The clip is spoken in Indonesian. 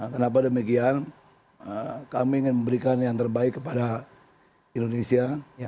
kenapa demikian kami ingin memberikan yang terbaik kepada indonesia